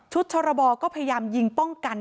ชรบก็พยายามยิงป้องกัน